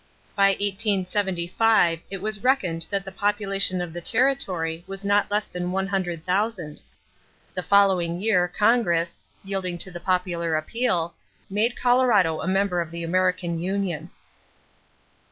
By 1875 it was reckoned that the population of the territory was not less than one hundred thousand; the following year Congress, yielding to the popular appeal, made Colorado a member of the American union.